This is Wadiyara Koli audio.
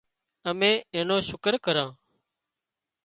امين اين نو شڪر ڪران